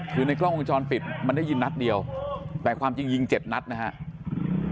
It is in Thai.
คือในกล้องวงจรปิดมันได้ยินนัดเดียวแต่ความจริงยิงเจ็ดนัดนะครับ